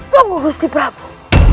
tunggu gusti prabu